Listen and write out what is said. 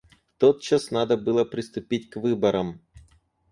Тотчас надо было приступить к выборам.